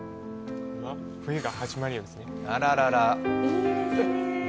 「冬が始まるよ」ですね。